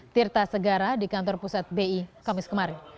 tirta segara di kantor pusat bi kamis kemarin